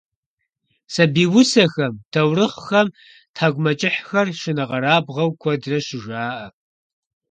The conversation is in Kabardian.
Сабий усэхэм, таурыхъхэм тхьэкIумэкIыхьыр шынэкъэрабгъэу куэдрэ щыжаIэ.